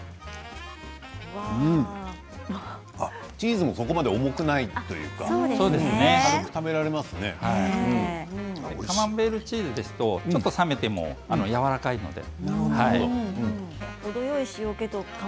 チーズもそこまで重くないというか、おいカマンベールチーズだとちょっと冷めてもやわらかいので。